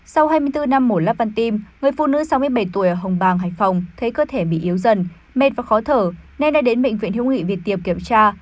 sau hai mươi bốn năm mổ lắp văn tim người phụ nữ sáu mươi bảy tuổi ở hồng bàng hải phòng thấy cơ thể bị yếu dần mệt và khó thở nên đã đến bệnh viện hiếu nghị việt tiệp kiểm tra